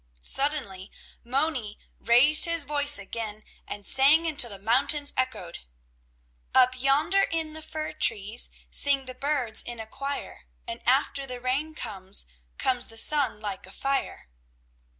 Suddenly Moni raised his voice again and sang until the mountains echoed: "Up yonder in the fir trees Sing the birds in a choir, And after the rain comes, Comes the sun like a fire."